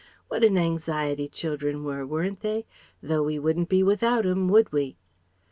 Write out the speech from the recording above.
What an anxiety children were, weren't they? Though we wouldn't be without 'em, would we?"